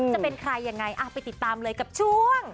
จะเป็นใครยังไงไปติดตามเลยกับช่วง